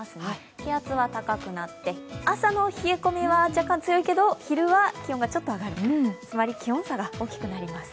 気圧は高くなって、朝の冷え込みは若干強いけど昼は気温がちょっと上がる、つまり気温差が大きくなります。